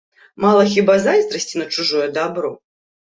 Мала хіба зайздрасці на чужое дабро?